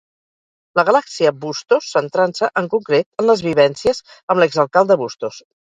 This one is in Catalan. La galàxia Bustos, centrant-se en concret en les vivències amb l'exalcalde Bustos.